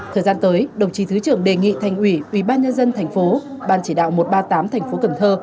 thời gian tới đồng chí thứ trưởng đề nghị thành ủy ủy ban nhân dân tp ban chỉ đạo một trăm ba mươi tám tp cần thơ